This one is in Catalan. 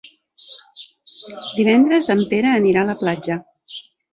Divendres en Pere anirà a la platja.